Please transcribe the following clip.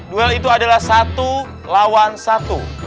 duel itu adalah satu lawan satu